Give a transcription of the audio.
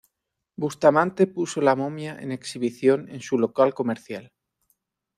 Bustamante puso la momia en exhibición en su local comercial.